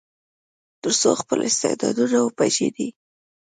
تر څو خپل استعدادونه وپیژني.